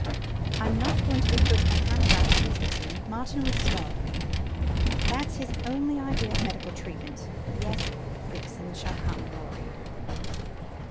"I'm not going to be put upon half rations, Vixen. Martin would starve me. That's his only idea of medical treatment. Yes, Vixen shall come, Rorie."